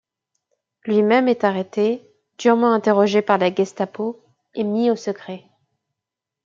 Lui-même est arrêté, durement interrogé par la Gestapo et mis au secret.